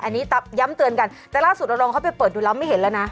อันนี้ย้ำเตือนกันแต่ล่าสุดเราลองเข้าไปเปิดดูแล้วไม่เห็นแล้วนะ